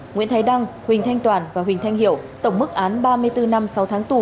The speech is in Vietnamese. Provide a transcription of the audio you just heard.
nguyễn thái đăng huỳnh thanh toàn và huỳnh thanh hiệu tổng mức án ba mươi bốn năm sáu tháng tù